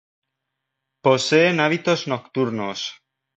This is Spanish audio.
Poseen hábitos nocturnos.